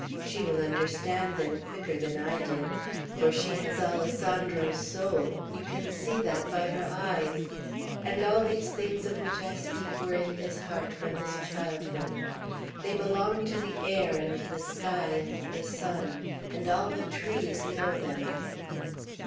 She will understand them quicker than I did, for she has Alessandro's soul; you can see that by her eyes. And all these things of which I speak were in his heart from his childhood. They belong to the air and the sky and the sun, and all trees know them."